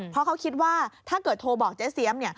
เพราะเขาคิดว่าถ้าเกิดโทรบอกเจ๊เสียม